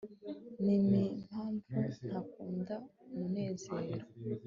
ninimpamvu ntakunda munezero